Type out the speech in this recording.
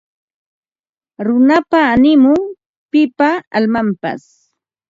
Runapa animun; pipa almanpas